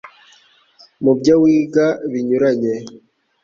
mu byo wiga binyuranye.